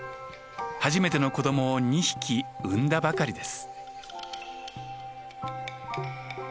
初めての子どもを２匹産んだばかりです。